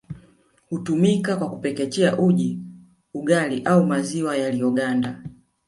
Hutumika kwa kupekechea uji ugali au maziwa yaliyoganda